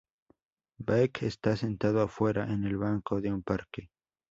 Baek está sentado afuera en el banco de un parque.